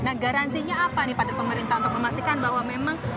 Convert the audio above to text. nah garansinya apa nih pada pemerintah untuk memastikan bahwa memang